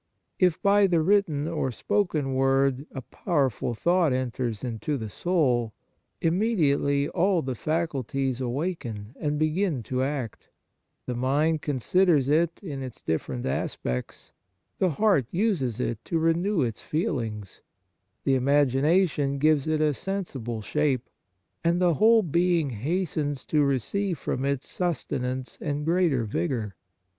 If, by the written or the spoken word, a power ful thought enters into the soul, immediately all the faculties awaken and begin to act ; the mind considers it in its different aspects, the heart uses it to renew its feelings, the imagination gives it a sensible shape, and the whole being hastens to re ceive from it sustenance and greater vigour.